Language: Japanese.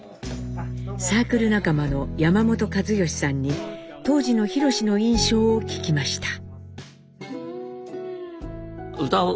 サークル仲間の山本和好さんに当時の弘史の印象を聞きました。